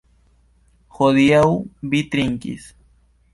Hodiaŭ vi trinkis.